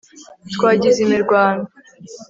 twagize imirwano